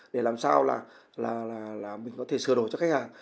để làm sao là mình có thể sửa đổi cho khách hàng